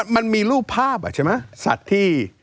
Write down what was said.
มันมีรูปภาพใช่ไหมสัตว์ที่